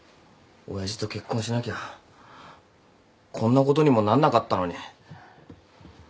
親父と結婚しなきゃこんなことにもなんなかったのに。